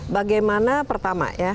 bagaimana pertama ya